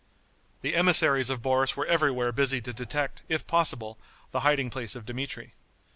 The emissaries of Boris were everywhere busy to detect, if possible, the hiding place of Dmitri.